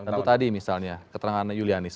tentu tadi misalnya keterangan yulianis